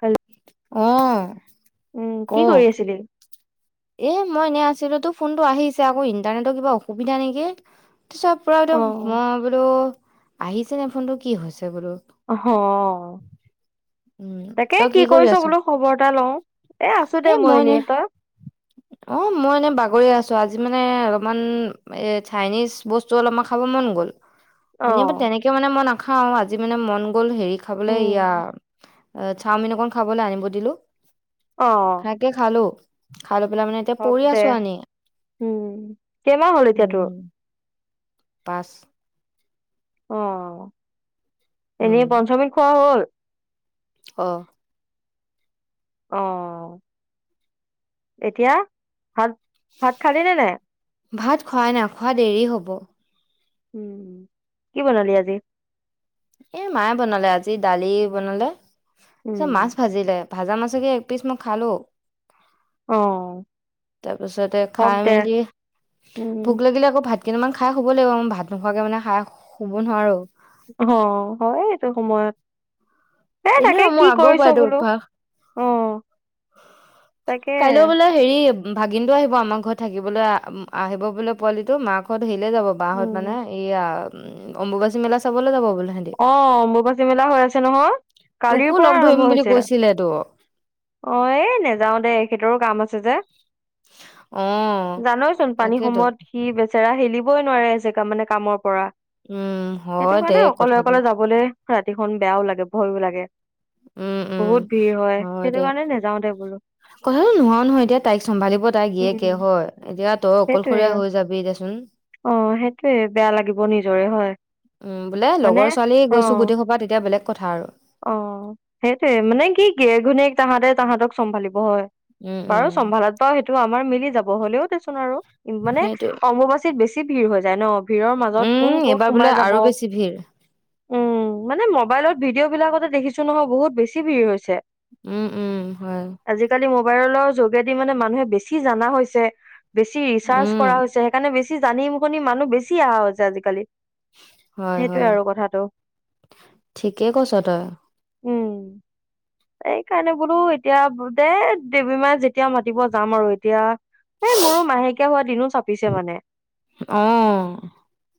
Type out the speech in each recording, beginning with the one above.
Hello অহঁ উম, কি কৰি ক? আছিলি? এ মই এনেই আছিলো তো ফোনটো আহিছে আকৌ ইন্টাৰনেটৰ কিবা অসুবিধা নেকি? তাৰপাছত পৰা অ', মই বোলো আহিছে নে ফোনটো কি হৈছে বোলো অঁহ'হ। উ তই কি কৰি আছ? এটা লওঁ। আছো দে এ মই এনে এনেই, তই? অ মই এনে বাগৰি আছো আজি মানে অলপমান এই চাইনিজ বস্তু অলপমান খাব মন গ'ল। এনে ম অ'। তেনেকে মানে মই না খাওঁ, আজি মানে মন গ'ল, হেৰি খাবলৈ উম। ইয়াৰ চাওমিন অকন খাবলৈ, আনিব দিলো। সেনেকে খালো। খাই লৈ পেলাই মানে এতিয়া হক পৰি দে। আছো আনি উম, কেইমাহ হ'ল এতিয়া তোৰ? উম পাঁচ অ'। উম এনেই পঞ্চমৃত খোৱা হ'ল? অ' অ', এতিয়া? ভাত-ভাত খালি নে নাই? ভাত খোৱাই নাই, খোৱা দেৰি হ'ব। উম, কি বনালি আজি? এ মায়ে বনালে, আজি দালি বনালে। উম, চব মাছ ভাজিলে। ভাজা মাছকে একপিচ মই খালো। অ'। তাৰপিছতে হওক খাই দে, মেলি, উম। ভোক লাগিলে আকৌ ভাত কেইটামান খাই শুব লাগিব। মই ভাত নোখোৱাকে মানে খাই শুব নোৱাৰো। অ' হয় এইটো সময়ত। এ তাকে এনেও কি মোৰ আগৰ কৰিছ পৰাই এইটো বোলো? অভ্যাস। অ'। তাকে, কাইলৈ বোলে হেৰি। ভাগিনটো আহিব আমাৰ ঘৰত থাকিবলৈ, আ- উম আ-আহিব বোলে পোৱালিটো। মাকহঁত হেৰিলে যাব বাহঁত উম। মানে, এইয়া উম, অম্বুবাচী মেলা চাবলৈ যাব বোলে। সিহঁতি অ' অম্বুবাচী মেলা হৈ আছে নহয়! তোকো কালিৰ লগ পৰা ধৰিম আৰম্ভ বুলি হৈছে। কৈছিলেতো অ' এই নেযাও দে এখেতৰো কাম আছে যে, অ জানইচোন পানী তাকেতো সময়ত, সি বেচেৰা হিলি বই নোৱাৰে, জেগা মানে কামৰ পৰা উম, সেইটো হয় দে কাৰণে অকলে কথাটো। অকলে যাবলৈ ৰাতিখন বেয়াও লাগে, ভয়ো লাগে। উম উম বহুত ভিৰ হয়। হয় সেইটো দে। কাৰণে নেযাও দে বোলো কথাটো নহও নহয় এতিয়া তাইক চম্ভালিব তাই জীয়েেকে উম হয়, এতিয়া তই সেইটোয়ে অকলশৰীয়া হৈ যাবি এতিয়াচোন। অ সেইটোয়ে বেয়া লাগিব নিজৰে হয় উম বোলে মানে লগৰ ছোৱালী অ গৈছো গোটেই সোপা তেতিয়া বেলেগ কথা আৰু। অ তাহাঁতে-তাহাঁতক চম্ভালিব হয়। উম বাৰু উম চম্ভালত ব সেই এইটো আমাৰ মিলি যাব হ'লেও দেচোন আৰু। উ মানে সেইটোৱে অম্বুবাচিত বেছি ভিৰ হৈ যায় ন? ভিৰৰ মাজত কোন উম কত এইবাৰ বোলে সোমাই যাব। আৰু বেছি ভিৰ উম। মানে মোবাইলত ভিডিঅ' বিলাকতে দেখিছো নহয় বহুত বেছি ভিৰ হৈছে। উম-উম হয়। আজিকালি মোবাইলৰ যোগেদি মানে মানুহে বেছি জানা হৈছে। বেছি ৰিচাৰ্চ উম কৰা হৈছে সেইকাৰণে বেছি বেচি জানিম বুলি মানুহ বেছি আও আজিকালি। সেইটোয়ে হয়-হয় আৰু কথাটো ঠিকেই কৈছ তই। উম। এইকাৰণে বোলো এতিয়া দে দেৱী মাই যেতিয়া মাতিব যাম আৰু এতিয়া এই মোৰো মাহেকীয়া হোৱা দিনো চাপিছে মানে। অ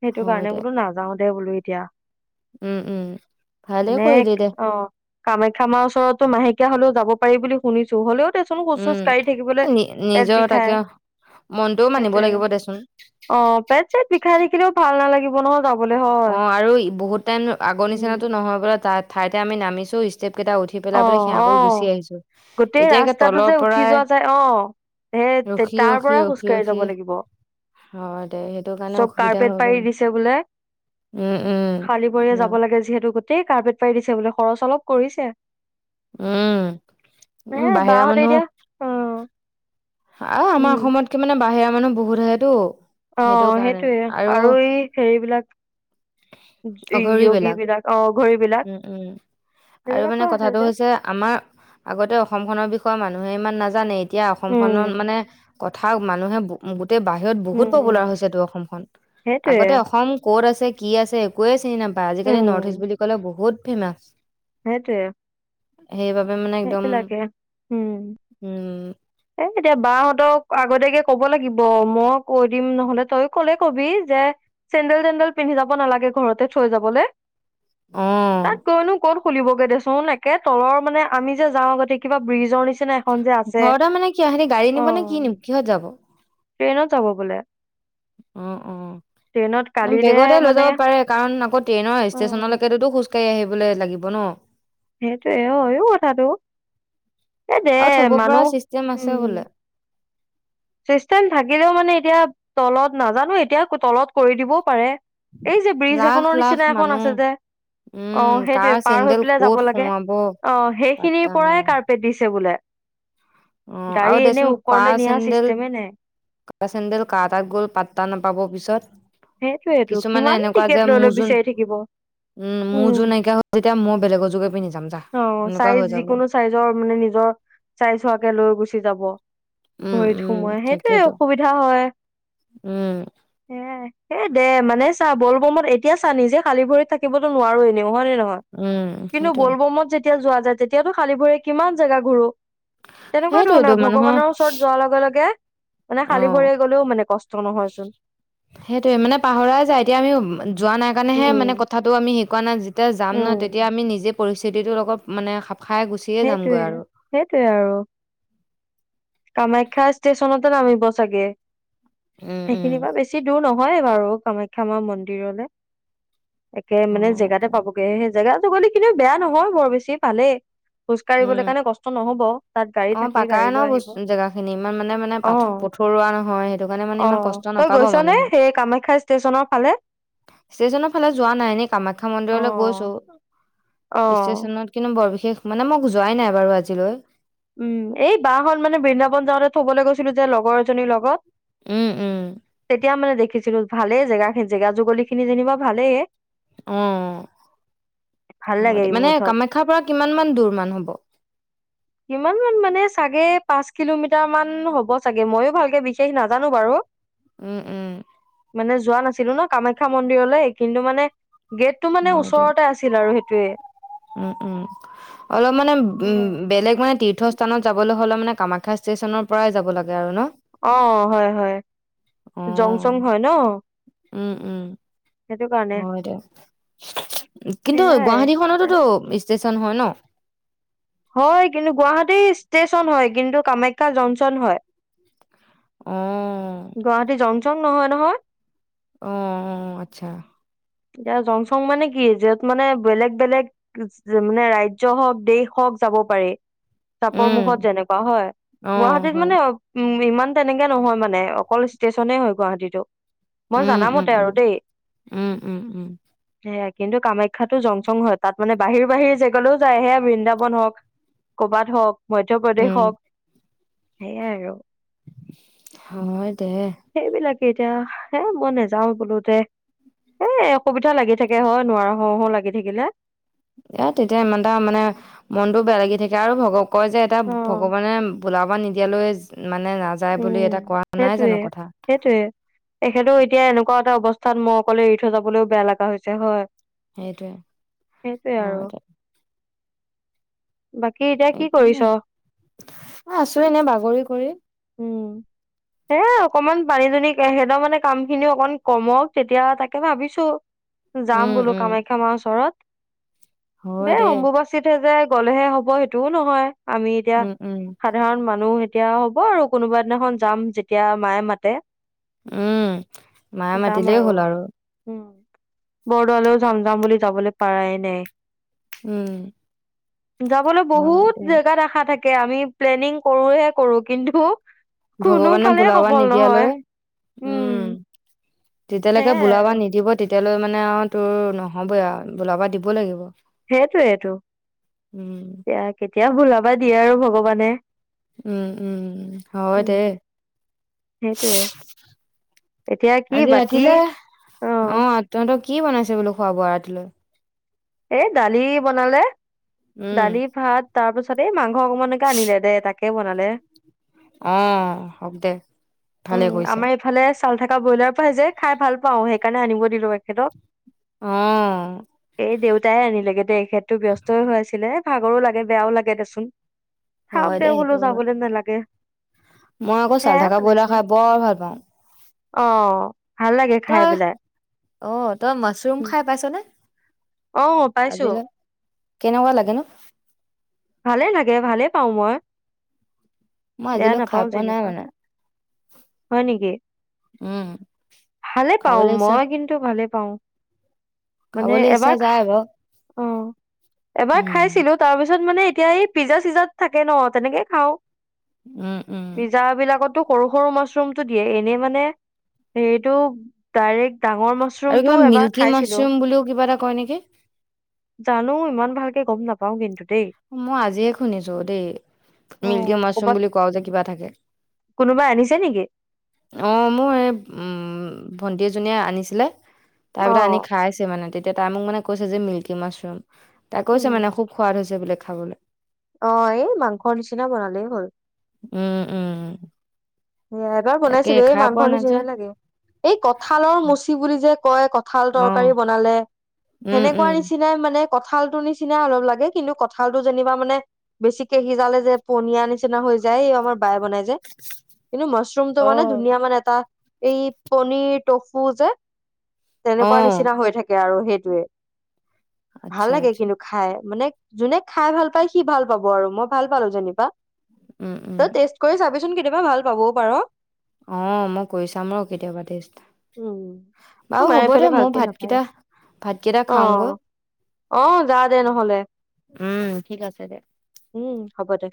সেইটো কাৰণে বোলো নাাজাওতে দে বোলো এতিয়া উম-উম ভালে মানে কৰিলি দে। অ কামাখ্যা মা ওচৰতো মাহেকীয়া হলেও যাব পাৰি বুলি শুনিছো। হলেও খোচোজ উম কাঢ়ি থাকিবলে নি পেট নিজৰ বিষাই তাকে মনটোও মানিব সেইটয়ে। লাগিব দেচোন অহ পেট চেট বিষাই থাকিলে ভাল নালাগিব নহয় য অহ আৰু বহুত টাইম আগৰ নিচিনা উম নহয় বোলে তাত ঠাইতে আমি নামিছো ইচটেপ কেইটা উঠি অ পেলাবলে সেৱা অ কৰি গুচি আহিছো গোটেই এতিয়াকে ৰাস্তাটো তলৰ যে উঠি পৰাই যোৱা যায় অ সেই তাৰ পৰা খোজকাঢ়ি যাব ৰখি-ৰখি-ৰখি-ৰখি লাগিব হয় দে সেইটো কাৰণে অসুবিধা হয় বাৰু। উম উম শালী বৰীয়া হয়। যাব লাগে যিহেতু গোটেই কাৰ্পেট পাৰি দিছে বোলে খৰচ অলপ কৰিছে। উম এ উ বাহিৰা বাহঁতে মানুহ এতিয়া অ আহ উম আমাৰ অসমতকে মানে বাহিৰৰা মানুহ বহুত আহে তো। অহ, সেইটোয়ে আৰু এই হেৰিবিলাক য়গী বিলাক অ'। ঘড়ী বিলাক উম- উম আৰু সেইবিলাকো মানে আহে কথাটো যে হৈছে আমাৰ আগতে অ অসমখনৰ বিষয়ে মানুহে ইমান নাজানেই। এতিয়া উম অসমখনত মানে কথা মানুহে গো গোতেই বাহিৰত বহুত উম উম পপুলাৰ হৈছে টো অসমখন সেইটোয়ে আগতে অসম ক'ত আছ এ 'কি আছে একোৱে চিনি নাপাই আজিকালি নথ ইষ্ট বুলি বহুত ফেমাছ। সেইটোৱে। সেইবাবে মানে একদম উম উম। এ এতিয়া বাহতক আগতিয়াকে কব লাগিব মই কৈ দিম নহলে তই কলে কবি যে চেণ্ন্দেল- তেন্দেল পিন্ধি যাব নালাগে ঘৰতে থৈ যাবলে। অ তাত গৈয়নো কত খুলিবগে দেচোন একে তলৰ মানে আমি যে যাওঁ আগতে কিবা ব্ৰিজৰ নিচিনা এখন যে আছে ঘৰতে মানে কি হেৰি গাড়ী অ নিব নে কি নিব কিহত যাব? ট্ৰেইনত যাব বোলে অহ - ট্ৰেইনত অহ কালিলে বেগতে লৈ মানে যাব পাৰে কাৰণ আকৌ ট্ৰেইনৰ অ ষ্টেচনলৈকেতোতো খোজ কঢ়ি আহিব। কোলে লাগিব ন' সেইটোৱে অ ' হৈও কথাটো এই দে আৰু থ'ব পৰা মানুহ চিষ্টেম আছে উম। বোলে চিষ্টেম থাকিলেও মানে এতিয়া তলত নাজানো এতিয়া তলত কৰি দিবও পাৰে। এই যে ব্ৰিজ লাখ এখনৰ লাখ নিচিনা এখন মানুহ আছে যে উম, অহ কাৰ সেইটোৱে পাৰ হৈ চেণ্ডেল পেলাই ক'ত যাব লাগে সোমাব অহ পাত্তা সেইখিনিৰ পৰাই কাৰ্পেট দিছে বোলে। অহ, গাড়ী আৰু এনে দেচোন ওপৰলে কাৰ নিয়া চেণ্ডেল উহ, চিষ্টেমে নাই কাৰ চেন্দেল কাৰ তাত গ'ল পাত্তা নাপাব পিছত সেটোৱেতো কিছুমানে কিমান এনেকুৱা টিকেত যে লৈ -লৈ মোৰ যোন বিচাৰি থাকিব মোৰ উম যোৰ নাইকিয়া হ'ল যেতিয়া মই বেলেগৰ যোৰকে পিন্ধি যাম যা। অ' সেনেকুৱা চাইজ হৈ যাব। যিকোনো চাইযৰ মানে নিজৰ চাই তাকে লৈ গুচি যাব। উম, ভৰিত উম, সোমাই সেইটোৱে তাকেতো অসুবিধা হয় উম, [unintelligible] সেয়াই। এ' দে মানে চা বল বমত এতিয়া চা নিজে খালী ভৰিত থাকিবতো নোৱাৰো এনে। নহয় নে নহয় উম, কিন্তু সেইটোয়ে। বল বমত যে তেতিয়া যোৱা যায় তেতিয়াতো খালী বোৰে কিমান জেগা ঘূৰো তেনেকুৱা সেইটোৱেতো ধৰণৰ মানুহৰ ভগৱানৰ ওচৰত যোৱাৰ লগে- লগে মানে খালী অ', ভৰিৰে গ'লেও মানে কষ্ট নহয়চোন। সেইটোৱে মানে পাহৰাই যায় এতিয়া আমি যোৱা নাই কাৰণেহে মানে উম কথাটো আমি শিকোৱা নাই। তেতিয়া যাম ন উম তেতিয়া আমি নিজে পৰিস্থিতিটোৰ অ লগত মানে খাই গুচিয়ে যামগৈ সেইটয়ে আৰু সেইটয়ে আৰু কামাখ্যা, ষ্টেচনতে নামিব চাগে উম, উম, সেইখিনি বা বেছি দূৰ নহয়। হয় বাৰু কামাখ্যা, মা মন্দিৰলে। একে মানে জেগাতে অ', পাবগে সেই জেগাত ছী কিন্তু বেয়া নহয় বৰ বেছি পালেই খোজ কাঢ়িবলৈ উম কাৰণে কষ্ট নহব। তাত গাড়ী অ থাকে পাকাই গাড়ী ন লৈ আহিব বস্তু জেগা খিনি ইমান মানে মানে অ প পথৰুৱা নহয় সেইটো কাৰণে মানে অ ইমান কষ্ট তই নাপাব গৈছনে মানুহে সেই কামাখ্যা ষ্টেচনৰ ফালে ষ্টেশচনৰ ফালে যোৱা নাই এনে কামাখ্যা অ মন্দিৰলৈ গৈছো। অ ষ্টেশচনত কিন্তু বৰ বিশেষ মানে মোক যোৱাই নাই বাৰু আজিলৈ উম এই বাঁহখন মানে বৃন্দাবন যাওঁতে থবলৈ গৈছিলো যে লগৰ এজনীৰ লগত উম উম। এতিয়া মানে দেখিছিলো ভালেই জেগা জেগা জুগলি খিনি যেনিবা ভালেই হে অ ভাল লাগে এই মানে মুঠত কামাখ্যাৰ, পৰা কিমান মান দোৰ মান হ'ব। ইমান মানে চাগে পাঁচ কিলোমিটাৰ মান হব চাগে ময়ো ভালকে বিশেষ নাজানো বাৰু উম উম। মানে যোৱা নাছিলো ন কামাখ্যা, মন্দিৰলৈ কিন্তু মানে গেট টো মানে হয় দে ওচৰতে আছিল আৰু সেইটো [inaudible] উম উম অলপ মানে উ সেয়াই। বেলেগ মানে তীৰ্থস্থানত যাবলৈ হ'লে মানে কামাখ্যা ষ্টেচনৰ পৰাই যাব লাগে আৰু ন অ হয় হয় অ জং চং হয় ন উম উম সেইটো কাৰণে হয় দে কিন্তু গুৱাহাটী খনতো সেয়াই তোষ্ট হয় ন? হয় কিন্তু গুৱাহাটীৰ ষ্টেশচন হয় কিন্তু কামাখ্যা জংচন হয়। অ গুৱাহাট জ চং নহয় নহয়। আহ আচ্ছা, এতিয়া জং চং মানে কি যত মানে বেলেগ বেলেগ মানে ৰাজ্য় হওক দেশ হওক যাব পাৰি। চাপৰ উম, মুখত যেনেকুৱা হয় অ', গুৱাহাটীত হয়, মানে উ ইমান তেনেকে নহয় মানে অকল ষ্টেচনে হয় গুৱাহাটীটো। মই উম, জানা উম, মতে উম, আৰু দেই। উম, উম, উম। সেয়া কিন্তু কামাখ্যাটো জংচং হ'য়। তাত মানে বাহিৰ বাহিৰ জেগালৈও যায় সেয়া বৃন্দাবন হওঁক কবাত হওঁক। মধ্য প্ৰদেশ উম, হওঁক। সেইয়াই আৰু। হয়। দে সেইবিলাকে এতিয়া হে মই নেযাওঁ বোলো দে এ অসুবিধা লাগি থাকে হয়, নোৱাৰোঁ হওঁ হওঁ লাগি থাকিলে। এ তেতিয়া ইমানটা মানে মনটো বেয়া লাগি থাকে আৰু ভগ কয় যে এটা ভগৱানে বোলাব নিদিয়ালৈ। মানে নাযায় বুলি উম এটা কোৱা নাই সেইটোৱে জানো কথা, সেইটোৱে এখেতৰো এতিয়া এনেকুৱা এটা অৱস্থা ত মই অকলে এৰি থৈ যাবলৈও বেয়া লাগা হৈছে হয় সেইটোয়ে সেইটোৱে অ আৰু ত বাকী এতিয়া কি একো কৰিছ নাই, মই আছোঁ এনে বাগৰি কৰি। উম সেয়া অকমান পানী চানি সেইট মানে কাম খিনি অকমান কমক তেতিয়া তাকে ভাবিছোঁ। যাম উম, বোলো উম, কামাখ্যা মাৰ ওচৰত। দে অম্বুবাচীটহে যায়। গ'লেহে হ'ব সেইটোও নহয়। আমি এতিয়া উম, উম, সাধাৰণ মানুহ। তেওঁ হ'ব আৰু কোনোবা দিনাখন যাম যেতিয়া মায়ে মাতে। উম মায়ে মাতিলেই হ'ল আৰু। বৰদোৱাৰ লৈও যাম যাম বুলি যাবলে পাৰাই নাই। উম। যাবলৈ হয় বহুত দে। জেগাত আশা থাকে। দে আমি প্লেনিং কৰোঁ হে কৰোঁ। কিন্তু। কোনো ভগৱানে ফালে বোলাব সফল নিদিয়ালৈ নহয় উম। যেতিয়ালৈকে সেয়াই বোলাবা আৰু। নিদিব তেতিয়া। তেতিয়ালৈ মানে আৱ তো‌ৰ নহ'বই আৰু বোলাবা দিব লাগিব। সেইটোৱেতো উম এতিয়া কেতিয়া বোলা বা দিয়ে আৰু ভগৱানে। উম উম হয় উম দে সেইটোয়ে এতিয়া কি আজি বাকী ৰাতিলে অ তহতি। কি বনাইছে বোলো খোৱা বোৱা ৰাতিলৈ? এ দালি বনালে। উম দালি ভাত তাৰপাছত? চবেই মাংখ। অ অকণমানকে আনিলে দে তাকে। কি বনালে। আ হওক দে ভালে কৰিছে? ছাল থকা ব্ৰইলাৰৰ পৰা যে খাই ভাল পাওঁ সেইকাৰণে আনিব দিলো এখেতক। অ এই দেউতাইে আনিলেগে দেই। তেখেতটো ব্যস্তই হৈ আছিলে? ভাগৰো লাগে বেয়াও লাগে দেচোন। থাওক হয় দেও দেই বোলো সেইটো হয় যাবলৈ নালাগে? মই আকৌ চাল সেয়াই থাকা ব্ৰইলাৰ বনাইছে খাই বৰ ভাল পাওঁ? অ ভাল লাগে খাই তই পেলাই। অ তই মাছৰুম উম। খাই পাইছনে? অ পাইছো আজিলৈ কেনেকুৱা লাগে নো। ভালেই লাগে ভালে পাওঁ মই। মই বেয়া আজিলৈ খাই নাপাও পোৱা নাই যেনেকুৱা মানে হয় নেকি উম ভালে পাও খাবলৈ ইচ্ছা মই কিন্তু ভালে পা। পাওঁ। মানে খাবলৈ ইচ্ছা এবাৰ খা যায় বাৰু অ এবাৰ উম, খাইছিলো তাৰপিছত? তাত মানে। এতিয়া এই পিজা চিজাত থাকে ন তেনেকে খাওঁ? উম উম পিজ্জা বিলাকতো সৰু সৰু মাছৰুমটো দিয়ে এনেই মানে সেইটো দাইৰেক। ডাঙৰ আৰু কিবা মাছৰুমটো এবাৰ মিল্কী খাইছিলো মাছৰুম বুলিও কিবা এটা কয় নেকি? জানো ইমান ভাল। গম নাপাওঁ কিন্তু দেই। মই আজিয়ে শুনিছো দেই অ মিল্কী মাছৰুম ক'বাত বুলি কোৱাও যে কিবা থাকে কোনোবাই আনিছে নেকি? অ মোৰ এই উম। ভণ্টি এজনীয়ে আনিছিলে? তাৰ বোলে আনি অ', খাইছে মানে তেতিয়া তাই মোক মানে। কৈছে যে মিল্কী মাছৰুম। তাই কৈছে মানে খুব সোৱাদ হৈছে বোলে? খাবলে। অঁ এই মাংসৰ নিচিনা বনালেই হ'ল। উম উম উম! সয়া এবাৰ বনাইছিলো এই মাংস নিচিাই লাগে এই কঁঠালৰ মুচি বুলি যে কয় কঁঠাল তৰকাৰী অ', বনালে। উম, সেনেকুৱা উম। নিচিনাই মানে। কঁঠাল টো নিচিনা অলপ লাগে কিন্তু কঁঠাল টো যেনিবা মানে বেছিকে সিজালে যে পনীয়া নিচিনা হৈ যায় এই আমাৰ বায়ে বনাই। যে! কিন্তু মছৰুম তটো মানে অ'। ধুনীয়া মানে এটা। এই পনীৰ টফু যে। তেনেকুৱা অ', নিচিনা হৈ থাকে আৰু সেইটোৱেই। ভাল আচ্ছা, লাগে আচ্ছা, কিন্তু খাই মানেৱ যোনে খাই ভাল পায় সি ভাল পাব আৰু মই ভাল পালো যেনিবা। উম, ত উম, টেষ্ট কৰি চাবি। কেতিয়াবা ভাল। পাবওঁ পাৰ। অঁ মই কৰি চাম আৰু কেতিয়াবা টষ্ট উম বাৰু আমাৰ হ'ব এইফালে দে মই ভালকে নাপায় ভাতকেইটা ভাতকেইটা খাওঁগৈ অঁ যাঁও দে নহলে! উম ঠিক আছে দে। উম হ'ব দে।